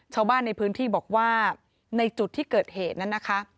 ชาวบ้านในพื้นที่บอกว่าในจุดที่เกิดเหตุนั้นนะคะ